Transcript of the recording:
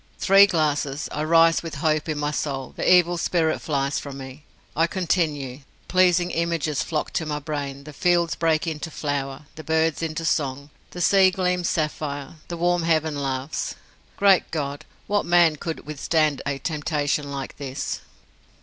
Three glasses I rise with hope in my soul, the evil spirit flies from me. I continue pleasing images flock to my brain, the fields break into flower, the birds into song, the sea gleams sapphire, the warm heaven laughs. Great God! what man could withstand a temptation like this?